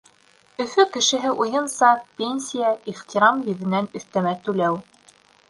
Өфө кешеһе уйынса, пенсия — ихтирам йөҙөнән өҫтәмә түләү.